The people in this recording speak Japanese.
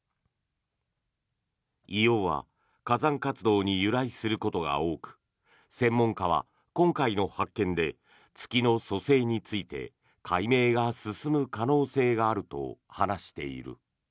硫黄は火山活動に由来することが多く専門家は今回の発見で月の組成について解明が進む可能性があると話している。